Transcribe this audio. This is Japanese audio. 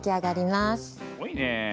すごいねえ。